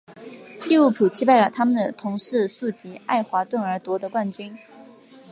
利物浦击败了他们的同市宿敌爱华顿而夺得冠军。